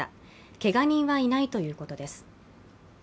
けが人はいないということです。